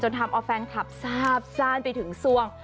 ทำเอาแฟนคลับทราบซ่านไปถึงสวง